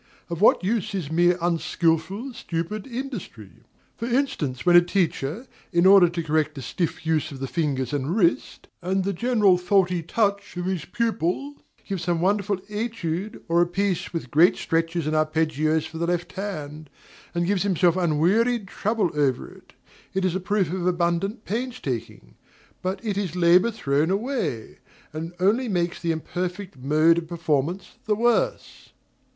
Of what use is mere unskilful, stupid industry? For instance, when a teacher, in order to correct a stiff use of the fingers and wrist, and the general faulty touch of his pupil, gives some wonderful étude or a piece with great stretches and arpeggios for the left hand, and gives himself unwearied trouble over it, it is a proof of abundant painstaking; but it is labor thrown away, and only makes the imperfect mode of performance the worse.